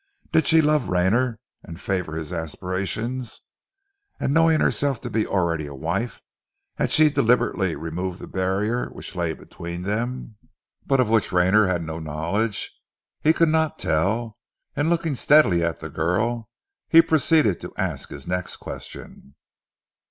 Did she love Rayner and favour his aspirations, and knowing herself to be already a wife, had she deliberately removed the barrier which lay between them, but of which Rayner had no knowledge? He could not tell, and looking steadily at the girl he proceeded to ask his next question.